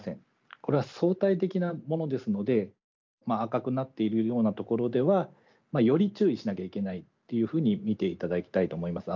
これは相対的なものですので赤くなっているようなところではより注意しなきゃいけないっていうふうに見ていただきたいと思います。